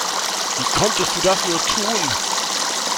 Wie konntest du das nur tun?